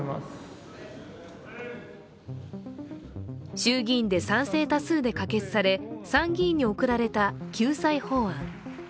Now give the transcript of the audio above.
衆議院で賛成多数で可決され、参議院に送られた、救済法案。